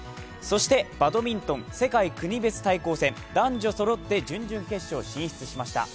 バドミントン世界国別対抗戦男女そろって準々決勝進出しました。